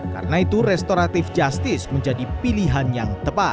karena itu restoratif justice menjadi pilihan yang tepat